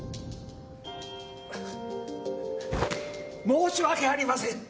申し訳ありません！